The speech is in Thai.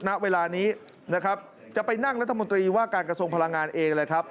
ณเวลานี้นะครับจะไปนั่งรัฐมนตรีว่าการกระทรวงพลังงานเองเลยครับ